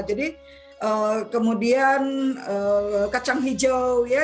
jadi kemudian kacang hijau ya